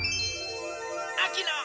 あきの。